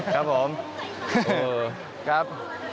ครับผมครับ